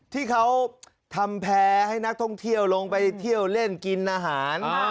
ที่เขาทำแพ้ให้นักท่องเที่ยวลงไปเที่ยวเล่นกินอาหาร